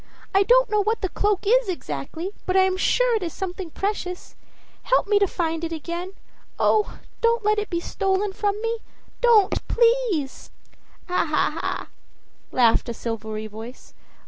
I don't know what the cloak is exactly, but I am sure it is something precious. Help me to find it again. Oh, don't let it be stolen from me don't, please!" "Ha, ha, ha!" laughed a silvery voice.